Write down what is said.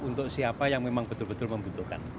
untuk siapa yang memang betul betul membutuhkan